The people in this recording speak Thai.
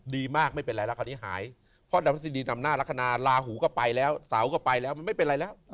ดีมากไม่เป็นไรแล้วคราวนี้หายเพราะดาวพฤษฎีนำหน้าลักษณะลาหูก็ไปแล้วเสาก็ไปแล้วมันไม่เป็นไรแล้ว